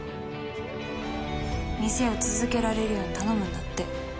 店を続けられるように頼むんだって。